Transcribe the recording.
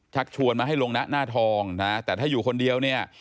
ชวนมาให้ลงนะหน้าทองนะแต่ถ้าอยู่คนเดียวเนี่ย